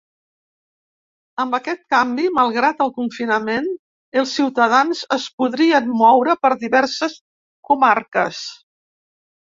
Amb aquest canvi, malgrat el confinament, els ciutadans es podrien moure per diverses comarques.